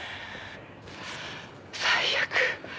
最悪。